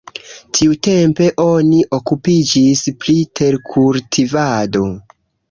Tiutempe oni okupiĝis pri terkultivado.